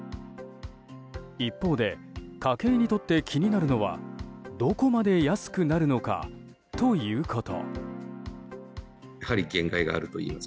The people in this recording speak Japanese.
一方で家計にとって気になるのはどこまで安くなるのかということ。